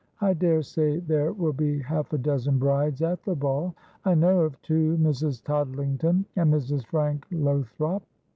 I daresay there will be half a dozen brides at the ball. I know of two — Mrs. Toddlington, and Mrs. Frank Lothrop.'